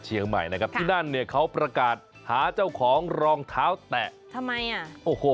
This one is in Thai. นี่ยังไงเดี๋ยวรองเท้าแปดทิ้งไว้โอ้โฮ